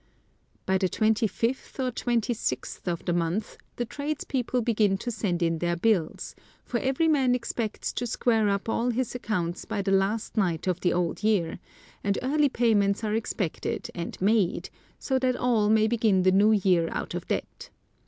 By the twenty fifth or twenty sixth of the month the trades people begin to send in their bills, for every man expects to square up all his accounts by the last night of the old year, and early payments are expected and made, so that all may begin the new year out of debt.